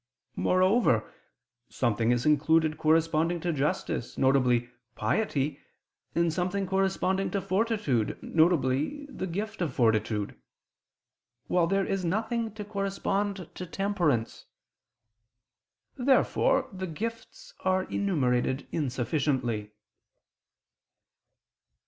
Moreover, something is included corresponding to justice, viz. piety, and something corresponding to fortitude, viz. the gift of fortitude; while there is nothing to correspond to temperance. Therefore the gifts are enumerated insufficiently.